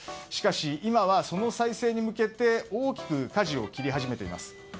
しかし今はその再生に向けて大きくかじを切り始めています。